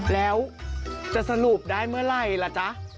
แล้วจะสรุปได้เมื่อไหร่ล่ะจ๊ะ